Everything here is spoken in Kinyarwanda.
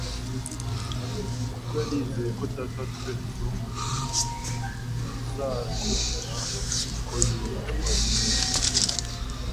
kuko yari yizeye ko Data wa twese wo mu ijuru atazakunda ko yicwa n'inzara.